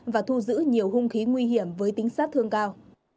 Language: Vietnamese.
và thu giữ nhiều hung khí nguy hiểm với tính sát thương cao